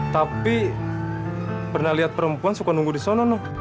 tapi pernah lihat perempuan suka nunggu di sana nok